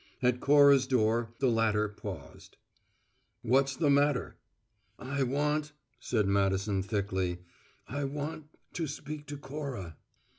At Cora's door, the latter paused. "What's the matter?" "I want," said Madison thickly "I want to speak to Cora."